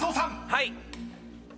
はい。